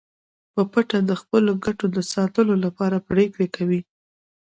په پټه د خپلو ګټو د ساتلو لپاره پریکړې کوي